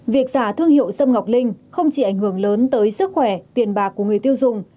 việc giả thương hiệu sâm ngọc linh không chỉ ảnh hưởng lớn tới sức khỏe tiền bạc của người tiêu dùng